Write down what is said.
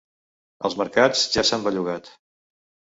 Els mercats ja s’han bellugat.